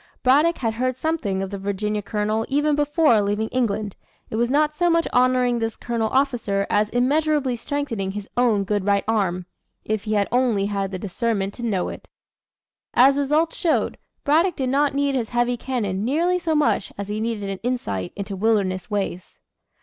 Braddock had heard something of the Virginia colonel even before leaving England; and was not so much honoring this colonial officer, as immeasurably strengthening his own good right arm if he had only had the discernment to know it. As results showed, Braddock did not need his heavy cannon nearly so much as he needed an insight into wilderness ways.